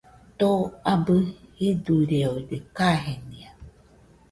Too abɨ jiduireoide kajenia.